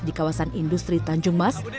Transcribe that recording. di kawasan industri tanjung mas